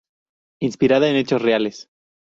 Inspirada en hechos reales.